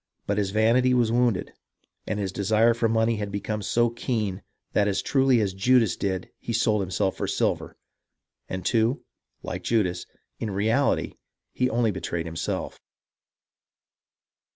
But his vanity was wounded, and his desire for money had become so keen that as truly as Judas did he sold himself for silver, and, too, like Judas, in reality he only betrayed himself.